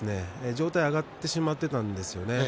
上体が上がってしまっているんですよね